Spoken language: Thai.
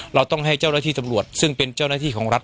เราต้องให้เจ้าหน้าที่ตำรวจซึ่งเป็นเจ้าหน้าที่ของรัฐ